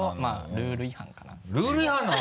ルール違反なの？